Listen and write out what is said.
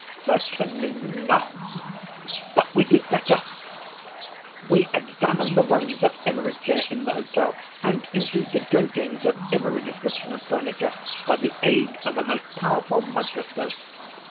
"Certainly not; but we did better—we examined the rungs of every chair in the hotel, and, indeed the jointings of every description of furniture, by the aid of a most powerful microscope.